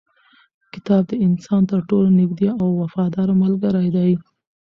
کتاب د انسان تر ټولو نږدې او وفاداره ملګری دی.